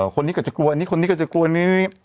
คนนี้ก็จะกลัวอันนี้คนนี้ก็จะกลัวนี้